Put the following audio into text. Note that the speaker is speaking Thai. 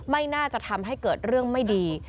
ไม่น่าจะทำให้เกิดเรื่องไม่ดี